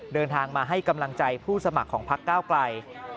เดินทางมาให้กำลังใจผู้สมัครของพักก้าวไกล